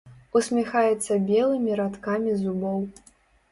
Усміхаецца белымі радкамі зубоў.